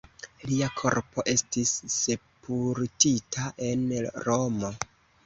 Lia korpo estis sepultita en Romo.